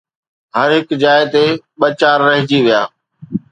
هر هڪ جاءِ تي ٻه چار رهجي ويا